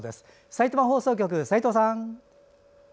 さいたま放送局、齋藤さん。